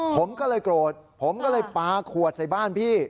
ผมก็เลยโกรธผมก็เลยปลาขวดใส่บ้านพี่